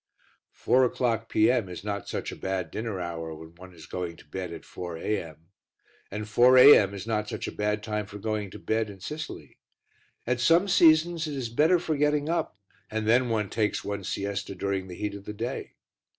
Four o'clock P.M. is not such a bad dinner hour when one is going to bed at four A.M. And four A.M. is not such a bad time for going to bed in Sicily. At some seasons it is better for getting up and then one takes one's siesta during the heat of the day.